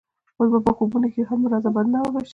اوس په خوبونو کښې هم مه راځه بدنامه به شې